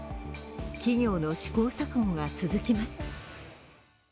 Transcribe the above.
企業の試行錯誤が続きます。